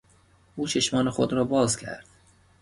او چشمان خود را باز کرد.